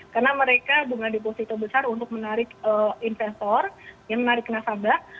karena mereka dengan deposito besar untuk menarik investor yang menarik nasabah